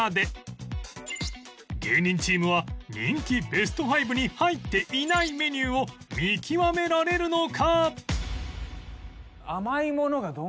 芸人チームは人気ベスト５に入っていないメニューを見極められるのか？